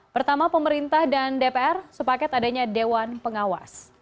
pertama pemerintah dan dpr sepaket adanya dewan pengawas